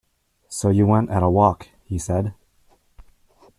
"So you went at a walk," he said.